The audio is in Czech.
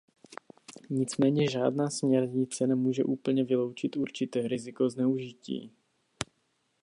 Nicméně žádná směrnice nemůže úplně vyloučit určité riziko zneužití.